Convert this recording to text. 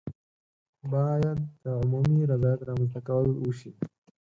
باید د عمومي رضایت رامنځته کول وشي.